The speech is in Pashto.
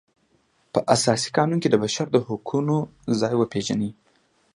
په اساسي قانون کې د بشر د حقونو ځای وپیژني.